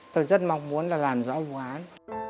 tôi rất mong muốn làm rõ vụ án